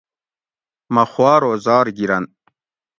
مۤہ خوآر و زار گِیرن